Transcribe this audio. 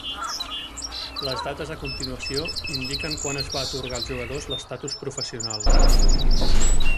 Les dates a continuació indiquen quan es va atorgar als jugadors l'estatus professional.